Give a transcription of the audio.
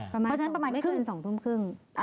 เพราะฉะนั้นประมาณไม่ครึ่ง